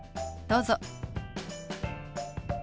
どうぞ。